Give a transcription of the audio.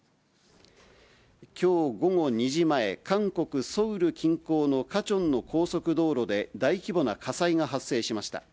きょう午後２時前、韓国・ソウル近郊のクァチョンの高速道路で、大規模な火災が発生しました。